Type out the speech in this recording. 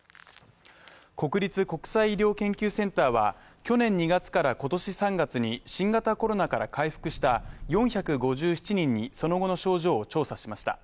国立国際医療研究センターは去年２月から今年３月に新型コロナから回復した４５７人にその後の症状を調査しました。